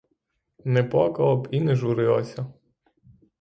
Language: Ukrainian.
І не плакала б, і не журилася.